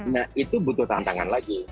nah itu butuh tantangan lagi